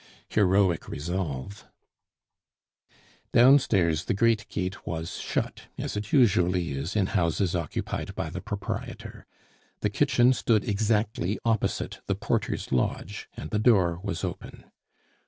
Heroic resolve! Downstairs the great gate was shut, as it usually is in houses occupied by the proprietor; the kitchen stood exactly opposite the porter's lodge, and the door was open.